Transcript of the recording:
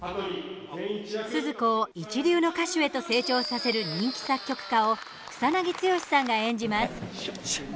スズ子を一流の歌手へと成長させる人気作曲家を草なぎ剛さんが演じます。